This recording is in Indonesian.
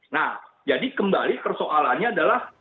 nah jadi kembali persoalannya adalah